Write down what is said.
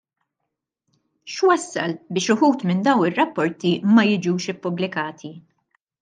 X'wassal biex uħud minn dawn ir-rapporti ma jiġux ippubblikati?